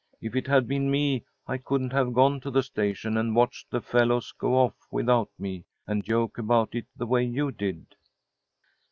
If it had been me, I couldn't have gone to the station and watched the fellows go off without me, and joke about it the way you did."